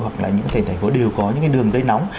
hoặc là những tỉnh thành phố đều có những cái đường dây nóng